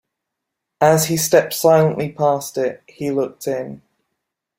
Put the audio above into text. As he stepped silently past it, he looked in.